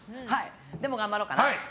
でも頑張ろうかな。